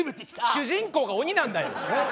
主人公が鬼なんだよ！えっ？